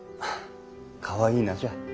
かわいい名じゃ。